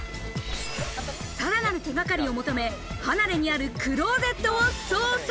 さらなる手がかりを求め、離れにあるクローゼットを捜査。